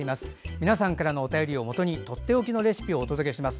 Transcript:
皆さんからのお便りをもとにとっておきのレシピを考えてお届けします。